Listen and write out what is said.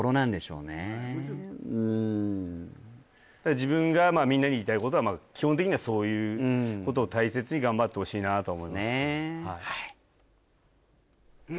うん自分がみんなに言いたいことは基本的にはそういうことを大切に頑張ってほしいなと思いますそうですね